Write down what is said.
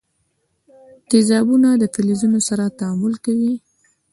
تیزابونه له فلزونو سره تعامل کوي.